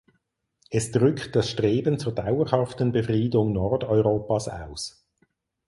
Es drückt das Streben zur dauerhaften Befriedung Nordeuropas aus.